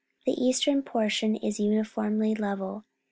The eastern portion is uniformly level.